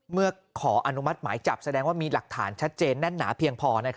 ขออนุมัติหมายจับแสดงว่ามีหลักฐานชัดเจนแน่นหนาเพียงพอ